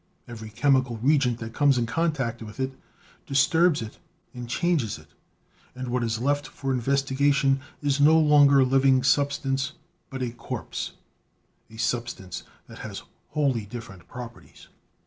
Every chemical reagent that comes in contact with it disturbs it and changes it, and what is left for investigation is no longer living sub stance, but a corpse — a substance that has wholly different properties.